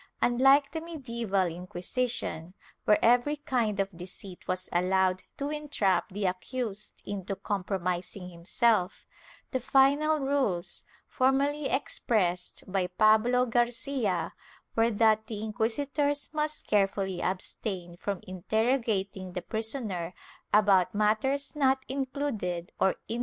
^ Unlike the medieval Inquisition, where every kind of deceit was allowed to entrap the accused into compro mising himself, the final rules, formally expressed by Pablo Gar cia, were that the inquisitors must carefully abstain from inter rogating the prisoner about matters not included or indicated * Archive de Simancas, Inquisicion, Lib.